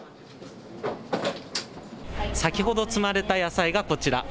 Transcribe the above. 先ほど積まれた野菜がこちら。